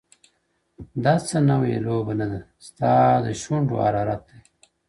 دا څه نوې لوبه نه ده! ستا د سونډو حرارت دی!